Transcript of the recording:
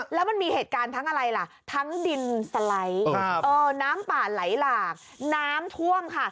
แล้วมันมีเหตุการณ์ทั้งอะไรล่ะทั้งดินสไลด์น้ำป่าไหลหลากน้ำท่วมค่ะ